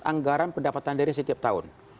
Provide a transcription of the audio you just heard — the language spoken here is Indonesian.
anggaran pendapatan dari setiap tahun